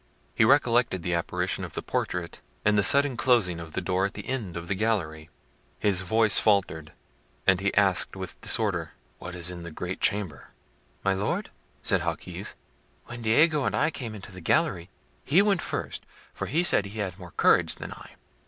He recollected the apparition of the portrait, and the sudden closing of the door at the end of the gallery. His voice faltered, and he asked with disorder— "What is in the great chamber?" "My Lord," said Jaquez, "when Diego and I came into the gallery, he went first, for he said he had more courage than I.